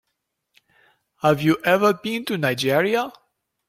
Have you ever been to Nigeria?